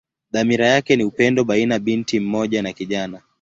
Dhamira yake ni upendo baina binti mmoja na kijana.